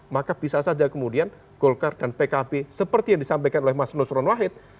maka bisa saja kemudian golkar dan pkb seperti yang disampaikan oleh mas nusron wahid